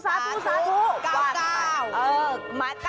มา๙๙คอมเมนต์